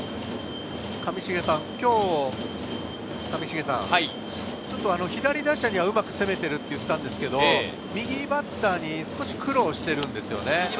上重さん、今日、左打者にはうまく攻めていると言っていたんですけれど、右バッターに少し苦労しているんですよね。